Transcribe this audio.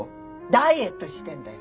ダイエットしてんだよ。